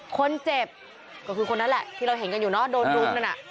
คนเจ็บก็คือคนนั้นแหละที่เราเห็นกันอยู่เนอะโดนรุมนั่นน่ะ